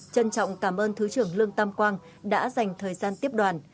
trân trọng cảm ơn thứ trưởng lương tam quang đã dành thời gian tiếp đoàn